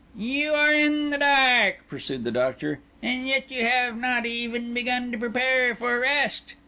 "You are in the dark," pursued the Doctor; "and yet you have not even begun to prepare for rest.